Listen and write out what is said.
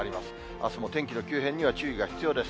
あすも天気の急変には注意が必要です。